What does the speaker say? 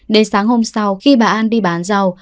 đến sáng hôm sau khi bà an đi bán rau